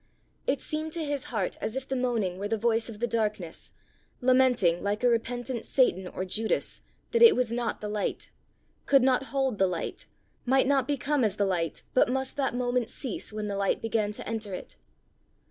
It seemed to his heart as if the moaning were the voice of the darkness, lamenting, like a repentant Satan or Judas, that it was not the light, could not hold the light, might not become as the light, but must that moment cease when the light began to enter it.